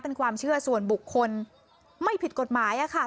เป็นความเชื่อส่วนบุคคลไม่ผิดกฎหมายอะค่ะ